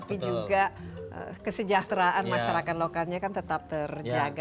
tapi juga kesejahteraan masyarakat lokalnya kan tetap terjaga